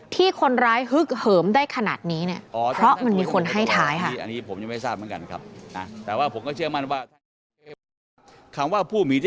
ที่คนร้ายฮึกเหิมได้ขนาดนี้เนี่ย